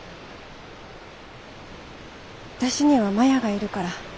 私にはマヤがいるから。